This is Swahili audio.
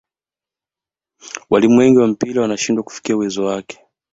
walimu wengi wa mpira wanashindwa kufikia uwezo wake